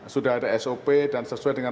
sudah ada sop dan sesuai dengan